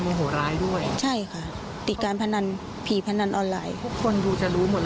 ใช่ค่ะติดการผีพนันออนไลน์